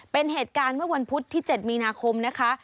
เป็นเหตุการณ์เมื่อวันพุธที่๗มีนาคมนะคะ